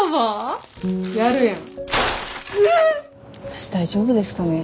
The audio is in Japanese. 私大丈夫ですかね。